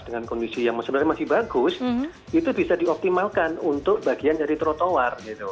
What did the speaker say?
dengan kondisi yang sebenarnya masih bagus itu bisa dioptimalkan untuk bagian dari trotoar